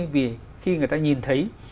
vì khi người ta nhìn thấy